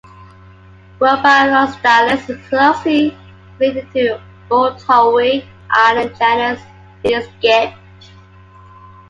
"Rhopalostylis" is closely related to the Lord Howe Island genus "Hedyscepe".